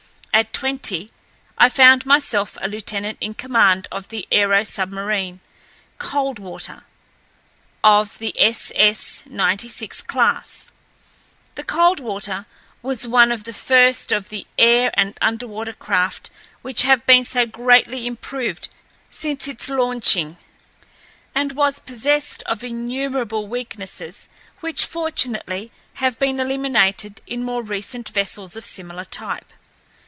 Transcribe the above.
At twenty I found myself a lieutenant in command of the aero submarine Coldwater, of the SS 96 class. The Coldwater was one of the first of the air and underwater craft which have been so greatly improved since its launching, and was possessed of innumerable weaknesses which, fortunately, have been eliminated in more recent vessels of similar type.